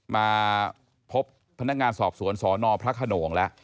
มาพบพนักงานสอบสวนสนพระขนงแล้ว